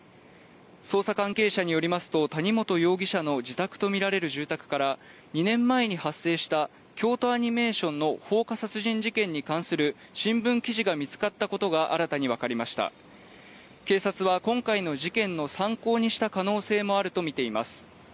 捜査関係者によりますと谷本容疑者の自宅とみられる住宅から２年前に発生した京都アニメーションの放火殺人事件に関する新聞記事が見つかったことが新たに分かりました警察は今回の事件の参考にした可能性もあると見ています